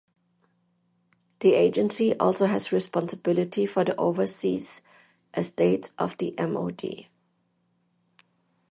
The agency also has responsibility for the overseas estates of the MoD.